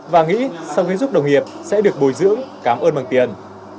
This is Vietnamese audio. và nghĩ sau khi giúp đồng nghiệp sẽ được bồi dưỡng cảm ơn bằng tiền